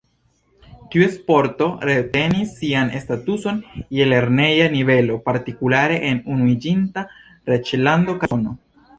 Tiu sporto retenis sian statuson je lerneja nivelo, partikulare en Unuiĝinta Reĝlando kaj Usono.